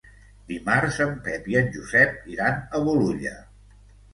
Dimarts en Pep i en Josep iran a Bolulla.